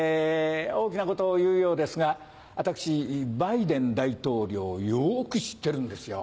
大きなことを言うようですが私バイデン大統領をよく知ってるんですよ。